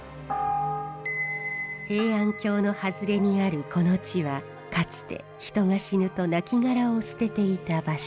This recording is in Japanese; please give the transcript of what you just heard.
平安京の外れにあるこの地はかつて人が死ぬと亡骸を捨てていた場所。